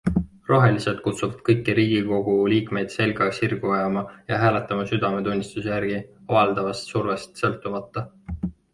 Rohelised kutsuvad kõiki riigikogu liikmeid selga sirgu ajama ja hääletama südametunnistuse järgi - avaldatavast survest sõltumata.